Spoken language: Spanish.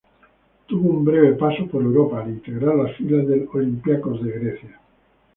Tuvo un breve paso por Europa, al integrar las filas del Olympiacos de Grecia.